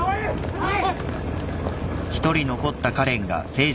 はい！